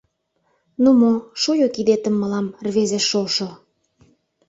Ну мо, шуйо кидетым мылам, рвезе шошо!